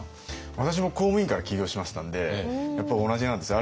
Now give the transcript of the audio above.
私も公務員から起業しましたんでやっぱり同じなんですよ